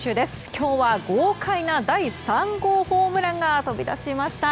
今日は豪快な第３号ホームランが飛び出しました。